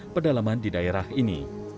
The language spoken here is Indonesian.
pedalaman di daerah ini